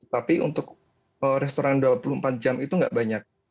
tapi untuk restoran dua puluh empat jam itu nggak banyak